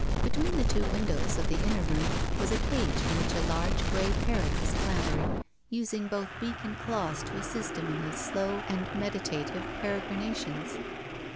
Between the two windows oTthe inner room was a cage in which a large, grey parrot was clambering, using both beak and claws to assist him in his slow and meditative peregrinations."